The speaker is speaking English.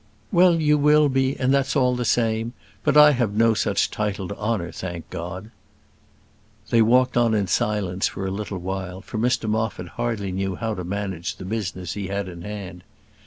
"Well, you will be, and that's all the same; but I have no such title to honour, thank God." They walked on in silence for a little while, for Mr Moffat hardly knew how to manage the business he had in hand.